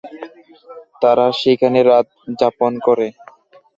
তারা সেখানেই রাত যাপন করে।